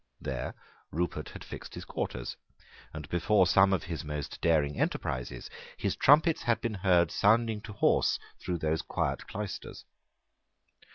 There Rupert had fixed his quarters; and, before some of his most daring enterprises, his trumpets had been heard sounding to horse through those quiet cloisters.